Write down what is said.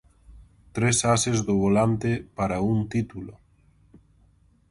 Tres ases do volante para un título.